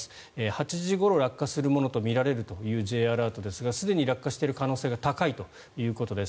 ８時ごろ落下するものとみられるというＪアラートですがすでに落下している可能性が高いということです。